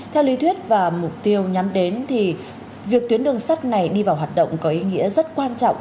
theo lý thuyết và mục tiêu nhắm đến thì việc tuyến đường sắt này đi vào hoạt động có ý nghĩa rất quan trọng